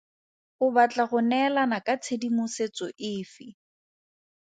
O batla go neelana ka tshedimosetso efe?